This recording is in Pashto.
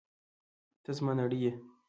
ته زما نړۍ یې!